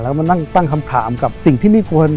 แล้วมานั่งตั้งคำถามกับสิ่งที่ไม่ควร